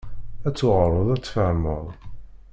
Ad ttuɣaleḍ ad ttfehmeḍ.